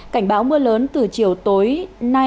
cảnh báo mưa lớn từ chiều tối nay